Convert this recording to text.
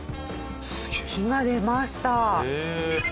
火が出ました。